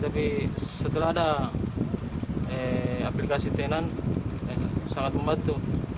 tapi setelah ada aplikasi tenan sangat membantu